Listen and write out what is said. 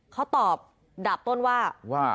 เขาตอบดับต้นว่า